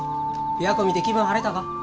琵琶湖見て気分晴れたか？